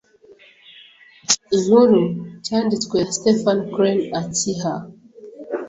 'inkuru cyanditswe na Stephen Crane akiha